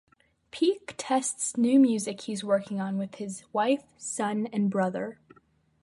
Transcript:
Peake tests new music he's working on with his wife, son, and brother.